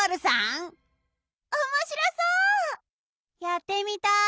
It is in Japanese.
やってみたい。